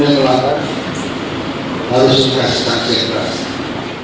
kebanyakan lapas harus dikasihkan secara teras